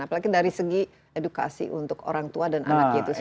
apalagi dari segi edukasi untuk orang tua dan anaknya itu sendiri